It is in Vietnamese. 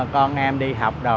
con em đi học đồ